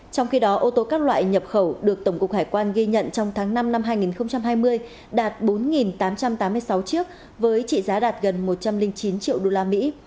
trong khi đó ô tô các loại nhập khẩu được tổng cục hải quan ghi nhận trong tháng năm năm hai nghìn hai mươi đạt bốn tám trăm tám mươi sáu chiếc với trị giá đạt gần một trăm linh chín triệu đô la mỹ